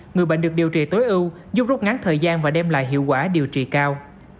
người bệnh được điều trị tối ưu giúp rút ngắn thời gian và đem lại hiệu quả điều trị cao